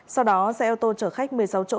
sau đó xe ô tô chở khách một mươi sáu chỗ